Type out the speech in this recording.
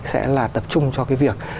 sẽ là tập trung cho cái việc